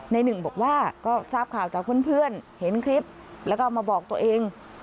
หนึ่งบอกว่าก็ทราบข่าวจากเพื่อนเห็นคลิปแล้วก็มาบอกตัวเอง